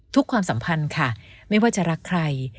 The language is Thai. ความสัมพันธ์ค่ะไม่ว่าจะรักใคร